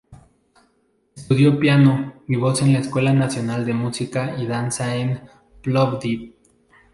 Estudió piano y voz en la Escuela Nacional de Música y Danza en Plovdiv.